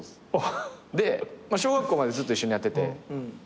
で小学校までずっと一緒にやってて。